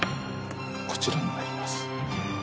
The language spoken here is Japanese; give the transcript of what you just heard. こちらになります。